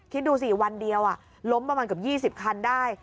คิดดูสิวันเดียวล้มประมาณเกือบ๒๐คันได้